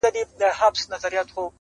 مرحوم ميوندوال ونيول شو